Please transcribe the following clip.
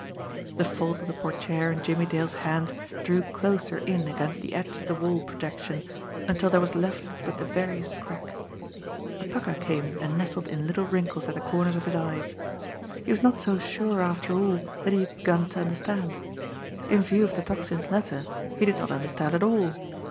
The fold of the portiere in Jimmie Dale's hand drew closer in against the edge of the wall projection until there was left but the veriest crack. A pucker came and nested in little wrinkles at the corners of his eyes. He was not so sure, THE GRAY SEAL 23 after all, that he had begun to understand. In view of the Tocsin's letter, he did not understand at all.